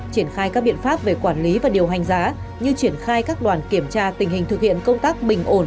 triển khai các biện pháp về quản lý và điều hành giá như triển khai các đoàn kiểm tra tình hình thực hiện công tác bình ổn